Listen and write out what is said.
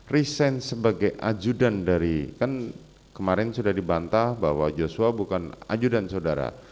resign sebagai ajudan dari kan kemarin sudah dibantah bahwa joshua bukan ajudan saudara